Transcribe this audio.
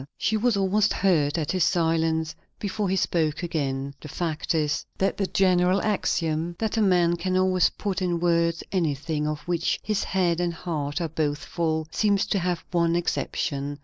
She was almost hurt at his silence, before he spoke again. The fact is, that the general axiom that a man can always put in words anything of which his head and heart are both full, seems to have one exception.